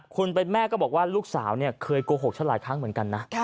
คุณเป็นแม่ก็บอกว่าลูกสาวเนี่ยเคยโกหกฉันหลายครั้งเหมือนกันนะ